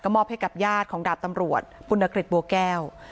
มอบให้กับญาติของดาบตำรวจปุณกฤษบัวแก้ว